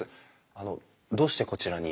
あのどうしてこちらに？